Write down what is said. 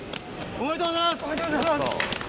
おめでとうございます。